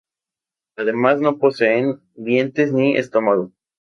Además no poseen dientes ni estómago.